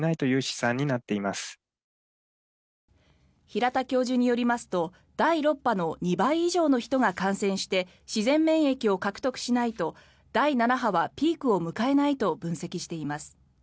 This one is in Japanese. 平田教授によりますと第６波の２倍以上の人が感染して自然免疫を獲得しないと第７波はピークを迎えないと分析しています。